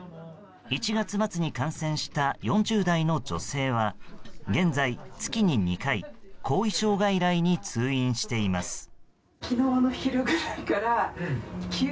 １月末に感染した４０代の女性は、現在月に２回後遺症外来に通院しています。